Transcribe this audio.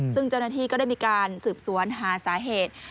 ซึ่งเจ้าหน้าที่ก็ได้มีการสืบสวนหาสาเหตุ